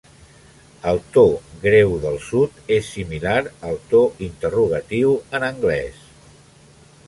El to greu del sud és similar al del to interrogatiu en anglès.